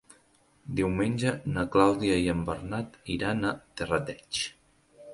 Diumenge na Clàudia i en Bernat iran a Terrateig.